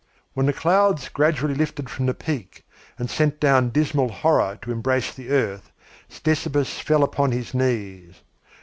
When the clouds gradually lifted from the peak and sent down dismal horror to embrace the earth, Ctesippus fell upon his knees.